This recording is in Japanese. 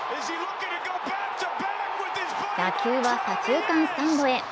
打球は左中間スタンドへ。